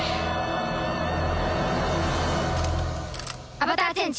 アバターチェンジ！